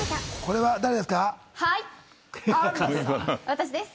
私です。